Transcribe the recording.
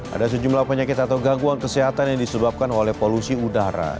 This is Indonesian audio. ada sejumlah penyakit atau gangguan kesehatan yang disebabkan oleh polusi udara